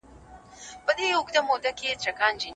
په عربي ژبه کي دغه حروف معلومه معنی نلري.